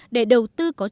để đầu tư có chi tiết